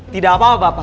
tidak apa apa bapak